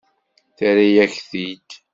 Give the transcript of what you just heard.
Terra-yak-t-id.